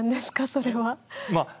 それは。